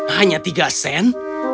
hanya tiga sen